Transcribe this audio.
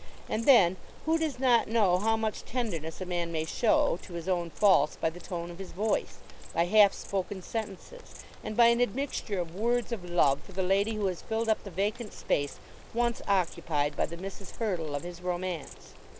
And then who does not know how much tenderness a man may show to his own faults by the tone of his voice, by half spoken sentences, and by an admixture of words of love for the lady who has filled up the vacant space once occupied by the Mrs. Hurtle of his romance?